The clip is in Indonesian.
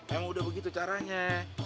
yang udah begitu caranya